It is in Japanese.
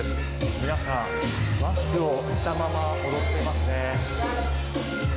皆さん、マスクをしたまま踊っていますね。